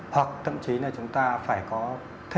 hoặc thậm chí là chúng ta phải có thêm những cái quy định mới